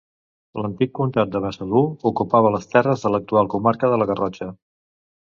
L'antic comtat de Besalú ocupava les terres de l'actual comarca de la Garrotxa.